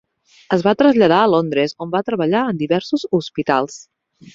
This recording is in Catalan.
Es va traslladar a Londres, on va treballar en diversos hospitals.